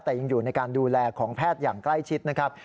แต่ยังอยู่ในการดูแลของแพทย์อย่างใกล้ชิดนะครับ